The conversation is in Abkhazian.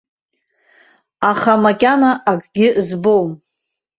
Аха макьана акгьы збом.